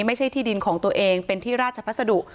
ไม่ใช่ที่ดินของตัวเองเป็นที่ราชพัสดุ